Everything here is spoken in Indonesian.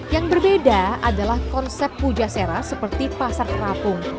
yang berbeda adalah konsep pujasera seperti pasar terapung